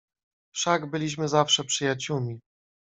"Wszak byliśmy zawsze przyjaciółmi."